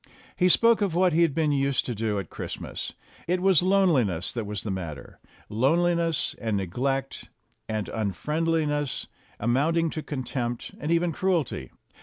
He spoke of what he had been used to do at Christmas. It was loneliness that was the matter loneliness, and neglect, and un friendliness, amounting to contempt and even cruelty.